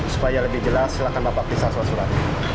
supaya lebih jelas silakan bapak pisah surat surat